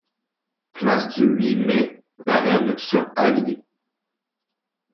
Place du huit Mai, Varennes-sur-Allier